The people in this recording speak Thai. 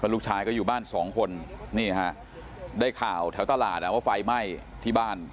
ลูกชายก็อยู่บ้านสองคนนี่ฮะได้ข่าวแถวตลาดว่าไฟไหม้ที่บ้าน